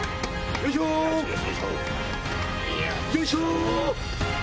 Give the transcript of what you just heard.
よいしょよいしょ！